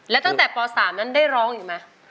แล้วตั้งแต่ป๓นั้นได้ร้องอยู่ไหม